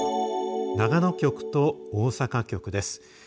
長野局と大阪局です。